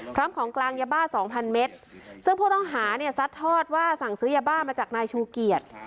พร้อมของกลางยาบ้าสองพันเมตรซึ่งผู้ต้องหาเนี่ยซัดทอดว่าสั่งซื้อยาบ้ามาจากนายชูเกียรติ